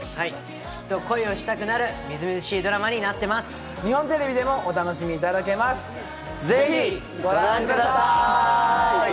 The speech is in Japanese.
きっと恋をしたくなる、みずみずしいドラマになっていま日本テレビでもお楽しみいたぜひご覧ください！